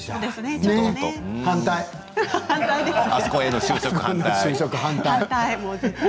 あそこへの就職反対。